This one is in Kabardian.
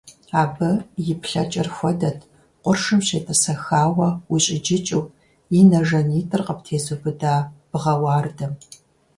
Абы и плъэкӀэр хуэдэт къуршым щетӀысэхауэ ущӀиджыкӀыу и нэ жанитӀыр къыптезубыда бгъэ уардэм.